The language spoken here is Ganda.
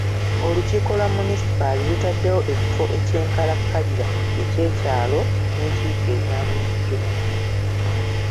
Olukiiko lwa munisipaali lutaddewo ekifo eky'enkalakkalira eky'ekyalo n'enkiiko eza bulijjo.